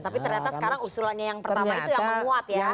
tapi ternyata sekarang usulannya yang pertama itu yang menguat ya